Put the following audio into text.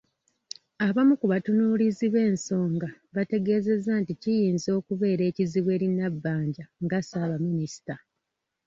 Abamu ku batunuulizi b’ensonga bategeezezza nti kiyinza okubeera ekizibu eri Nabbanja nga Ssaabaminisita.